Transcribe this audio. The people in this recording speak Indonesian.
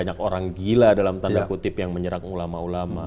banyak orang gila dalam tanda kutip yang menyerang ulama ulama